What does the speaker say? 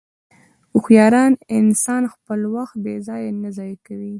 هوښیار انسان خپل وخت بېځایه نه ضایع کوي.